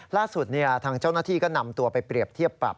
ล่าสุดทางเจ้าหน้าที่ก็นำตัวไปเปรียบเทียบปรับ